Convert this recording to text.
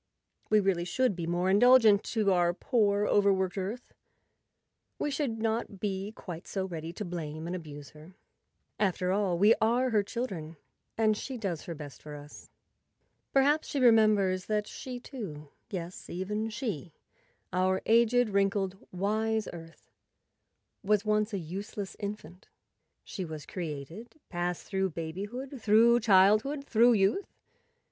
We really should be more indulgent to our poor, overworked Earth; we should not be quite so ready to blame and abuse her. After all, we are her chil¬ dren and she does her best for us. Perhaps she re¬ members that she, too—yes, even she, our aged, wrinkled, wise Earth—was once a useless infant. She was created, passed through babyhood, through childhood, through youth.